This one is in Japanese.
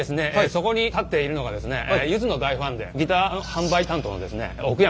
そこに立っているのがですね「ゆず」の大ファンでギター販売担当のですね奥山。